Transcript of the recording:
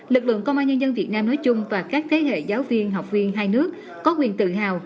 lực lượng công an nhân dân việt nam nói chung và các thế hệ giáo viên học viên hai nước có quyền tự hào